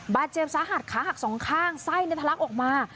บาดเจียมสาหัสขาหักสองข้างใส่เนื้อทะลักออกมา